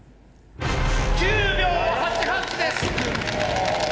９秒８８です！